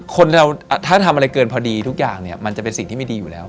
คนเราถ้าทำอะไรเกินพอดีทุกอย่างเนี่ยมันจะเป็นสิ่งที่ไม่ดีอยู่แล้ว